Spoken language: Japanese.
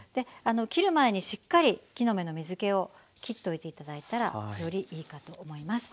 切る前にしっかり木の芽の水けをきっておいて頂いたらよりいいかと思います。